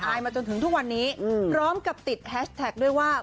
มาจนถึงทุกวันนี้พร้อมกับติดแฮชแท็กด้วยว่า